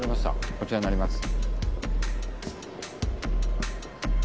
こちらになります